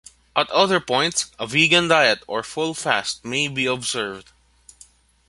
At other points, a vegan diet or full fast may be observed.